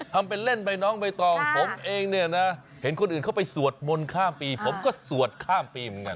ทำเป็นเล่นไปน้องใบตองผมเองเนี่ยนะเห็นคนอื่นเข้าไปสวดมนต์ข้ามปีผมก็สวดข้ามปีเหมือนกัน